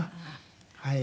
はい。